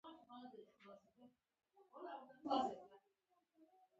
دا سړی هر وخت خوشاله وي.